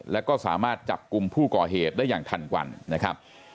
แล้วก็สามารถจับกลุ่มผู้ก่อเหตุได้อย่างทันวันนะครับ